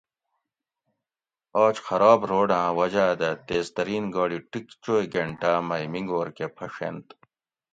آج خراب روڈاۤں وجاۤ دہ تیز ترین گاڑی ٹِک چوئی گۤھنٹاۤ مئی مِگور کہ پھڛینت